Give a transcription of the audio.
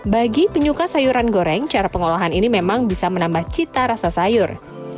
bagi penyuka sayuran goreng cara pengolahan ini memang bisa menambah cita rasa sayur